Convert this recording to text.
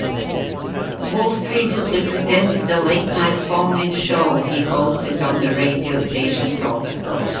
Wolf previously presented a late-night phone-in show he hosted on the radio station Talksport.